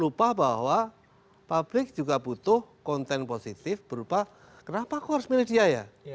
lupa bahwa publik juga butuh konten positif berupa kenapa aku harus milih dia ya